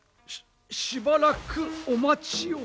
ししばらくお待ちを。